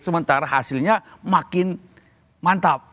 sementara hasilnya makin mantap